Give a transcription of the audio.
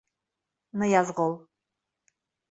Ныязғол: